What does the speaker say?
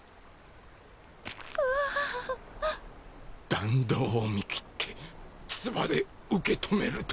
弾道を見切ってつばで受け止めるとは！